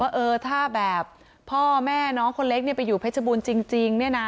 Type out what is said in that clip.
ว่าเออถ้าแบบพ่อแม่น้องคนเล็กเนี้ยไปอยู่เพชรบูนจริงจริงเนี้ยน่ะ